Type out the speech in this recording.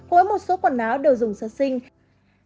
có với một số quần áo đều dùng sơ sinh